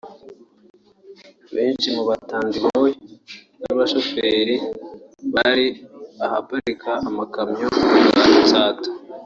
Benshi mu batandiboyi n’abashoferi bari ahaparikwa amakamyo mu Gatsata